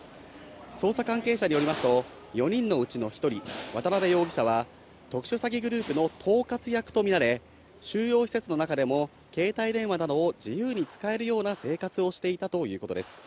捜査関係者によりますと、４人のうちの１人、渡辺容疑者は、特殊詐欺グループの統括役と見られ、収容施設の中でも携帯電話などを自由に使えるような生活をしていたということです。